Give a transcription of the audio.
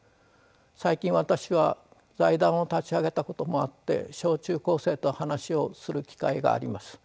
最近私は財団を立ち上げたこともあって小中高生と話をする機会があります。